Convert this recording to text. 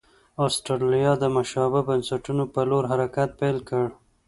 اسټرالیا د مشابه بنسټونو په لور حرکت پیل کړ.